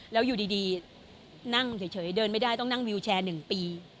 แล้วอยู่ดีนั่งเฉยเดินไม่ได้ต้องนั่งวิวแชร์๑ปี